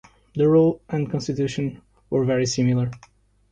The Rule and Constitution were very similar.